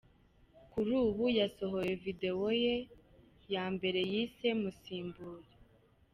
Kuri ubu yasohoye Video ye ya mbere yise ”Musimbure”.